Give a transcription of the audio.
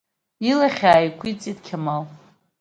Илахь ааиқәиҵеит Қьамал.